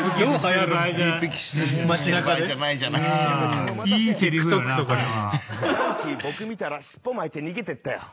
ヤンキー僕見たら尻尾巻いて逃げてったよ。